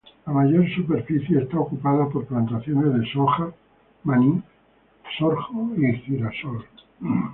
La mayor superficie es ocupada por plantaciones de soja, maní, sorgo y girasol.